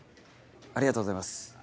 ありがとうございます。